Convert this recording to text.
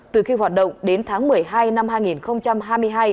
từ khi hoạt động đến tháng một mươi hai năm hai nghìn hai mươi hai